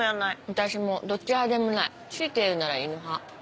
私もどっち派でもない強いて言うなら犬派。